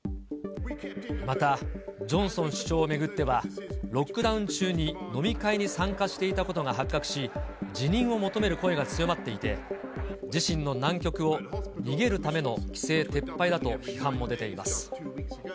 また、ジョンソン首相を巡っては、ロックダウン中に飲み会に参加していたことが発覚し、辞任を求める声が強まっていて、自身の難局を、逃げるための規制撤廃だと批判も出ています。